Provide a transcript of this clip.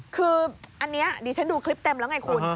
คืออันนี้ดิฉันดูคลิปเต็มแล้วไงคุณ